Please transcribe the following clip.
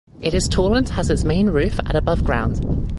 It is tall and has its main roof at above ground.